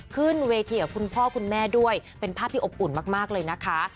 ขึ้นเวทีกับคุณพ่อคุณแม่ด้วยเป็นภาพที่อบอุ่นมากเลยนะคะ